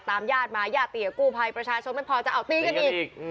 ตามญาติมาย่าตีกกู้ภัยประชาชนไม่พอจะเอาตีกันอีก